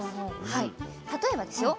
例えばですよ